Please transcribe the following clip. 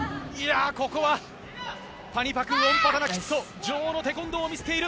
ここはパニパク・ウオンパタナキット女王のテコンドーを見せている。